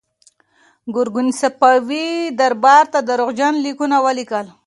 ګورګین صفوي دربار ته درواغجن لیکونه ولیکل.